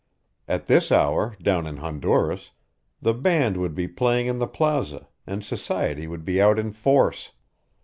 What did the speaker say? At this hour, down in Honduras, the band would be playing in the plaza, and society would be out in force.